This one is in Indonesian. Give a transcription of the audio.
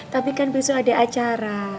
tapi kan besok ada acara